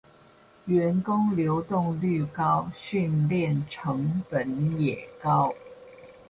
員工流動率高，訓練成本也高